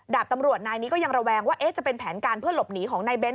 ดาบตำรวจนายนี้ก็ยังระแวงว่าจะเป็นแผนการเพื่อหลบหนีของนายเน้น